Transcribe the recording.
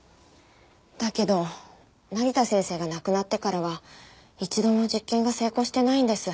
だけど成田先生が亡くなってからは一度も実験が成功してないんです。